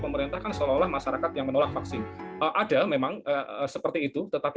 pemerintah kan seolah olah masyarakat yang menolak vaksin ada memang seperti itu tetapi